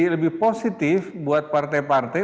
lebih positif buat partai partai